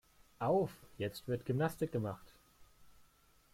Auf, jetzt wird Gymnastik gemacht.